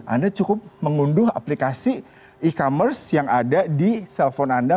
anda cukup mengunduh aplikasi e commerce yang ada di telepon anda